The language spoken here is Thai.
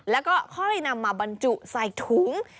แล้วก็ค่อยนำมาบรรจุใส่ถุง